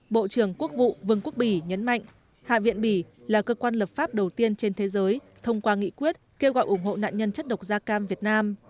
bộ trưởng quốc vụ vương quốc bỉ nhấn mạnh hạ viện bỉ là cơ quan lập pháp đầu tiên trên thế giới thông qua nghị quyết kêu gọi ủng hộ nạn nhân chất độc da cam việt nam